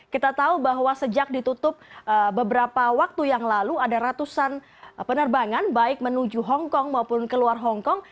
kita tahu bahwa sejak ditutup beberapa waktu yang lalu ada ratusan penerbangan baik menuju hongkong maupun keluar hongkong